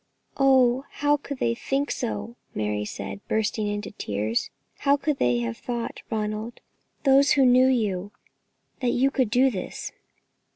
"Oh, how could they think so?" Mary said, bursting into tears; "how could they have thought, Ronald, those who knew you, that you could do this?"